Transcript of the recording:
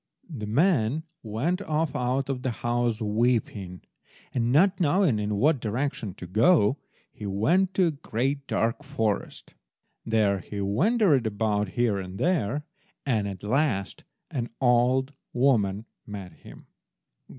The man went off out of the house, weeping; and, not knowing in what direction to go, he went to a great dark forest. There he wandered about, here and there. At last an old woman met him.